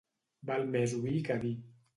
Val més oir que dir.